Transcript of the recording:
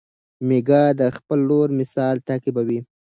میکا د خپل ورور مثال تعقیبوي.